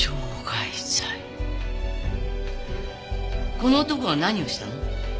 この男が何をしたの？